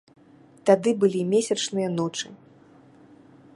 Тады былі месячныя ночы.